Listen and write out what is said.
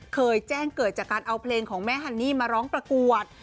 เคยแจ้งเกิดจากการเอาเพลงของแม่ฮันนี่มาร้องประกวด